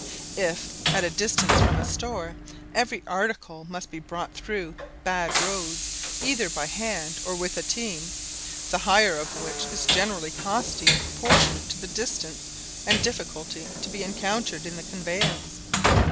If at a distance from a store, every article must be brought through bad roads either by hand or with a team, the hire of which is generally costly in proportion to the distance and difficulty to be encountered in the conveyance.